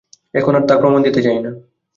এখন তার প্রমাণ দিতে চাই না।